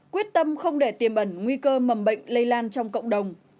quyết tâm không để tiềm ẩn nguy cơ mầm bệnh lây lan trong cộng đồng